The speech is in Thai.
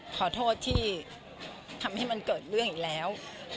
ขอโทษที่ทำให้มันเกิดเรื่องอีกแล้ว